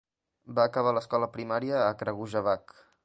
Va acabar l'escola primària a Kragujevac.